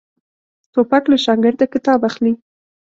توپک له شاګرده کتاب اخلي.